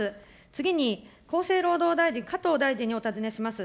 次に厚生労働大臣、加藤大臣にお尋ねいたします。